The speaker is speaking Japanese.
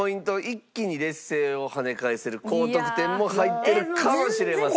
一気に劣勢をはね返せる高得点も入ってるかもしれません。